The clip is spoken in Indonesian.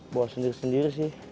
bawa sendiri sendiri sih